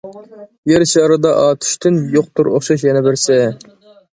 يەر شارىدا ئاتۇشتىن، يوقتۇر ئوخشاش يەنە بىرسى.